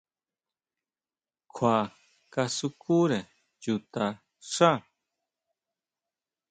Kjua kasukúre chuta xá.